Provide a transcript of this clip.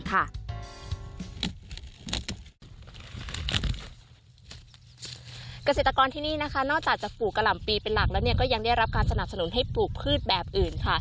เกษตรกรที่นี่นะคะนอกจากจะปลูกกะหล่ำปีเป็นหลักแล้วก็ยังได้รับการสนับสนุนให้ปลูกพืชแบบอื่นค่ะ